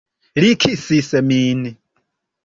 Li kisis min.